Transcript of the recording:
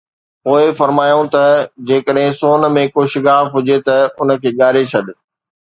پوءِ فرمايائون ته: جيڪڏهن سون ۾ ڪو شگاف هجي ته ان کي ڳاري ڇڏ